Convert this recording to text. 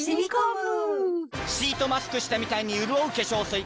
シートマスクしたみたいにうるおう化粧水